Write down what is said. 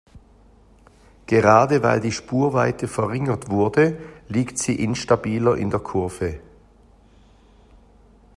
Gerade weil die Spurweite verringert wurde, liegt sie instabiler in der Kurve.